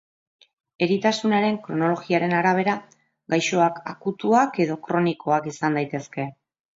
Eritasunaren kronologiaren arabera, gaixoak akutuak edo kronikoak izan daitezke.